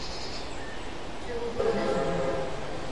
便于阅读